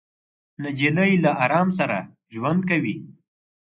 نجلۍ له ارام سره ژوند کوي.